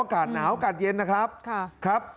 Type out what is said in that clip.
อากาศหนาวอากาศเย็นนะครับ